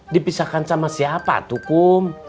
dipisahkan sama siapa tukum